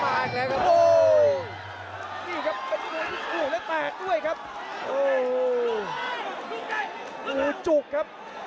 มากแล้วค่ะ